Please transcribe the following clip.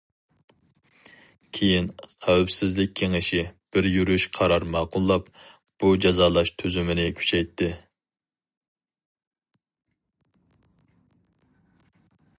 كېيىن خەۋپسىزلىك كېڭىشى بىر يۈرۈش قارار ماقۇللاپ، بۇ جازالاش تۈزۈمىنى كۈچەيتتى.